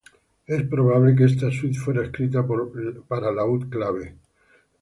Es probable que esta suite fuera escrita para laúd-clave.